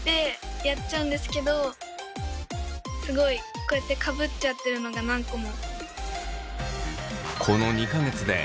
こうやってかぶっちゃってるのが何個も。